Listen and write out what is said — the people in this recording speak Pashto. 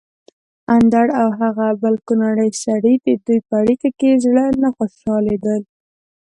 اندړ او هغه بل کونړی سړی ددوی په اړېکه د زړه نه خوشحاليدل